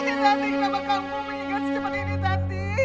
tanti kenapa kamu meninggal secepat ini tanti